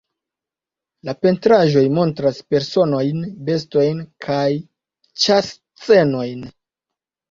La pentraĵoj montras personojn, bestojn kaj ĉas-scenojn.